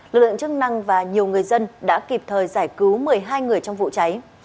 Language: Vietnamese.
lực lượng chức năng và nhiều người dân đã kịp thời giải cứu một mươi hai người trong vụ cháy